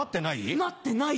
なってない？